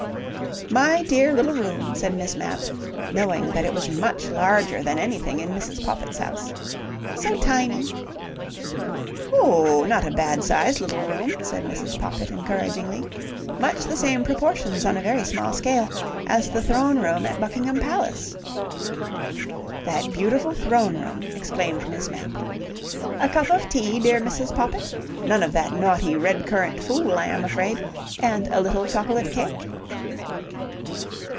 "My dear little room," said Miss Mapp, knowing that it was much larger than anything in Mrs. Poppit's house. "So tiny!" "Oh, not a bad sized little room," said Mrs. Poppit encouragingly. "Much the same proportions, on a very small scale, as the throne room at Buckingham Palace." "That beautiful throne room!" exclaimed Miss Mapp. "A cup of tea, dear Mrs. Poppit? None of that naughty red currant fool, I am afraid. And a little chocolate cake?"